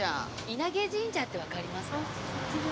稲毛神社ってわかりますか？